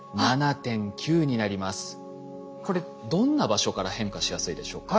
これどんな場所から変化しやすいでしょうか？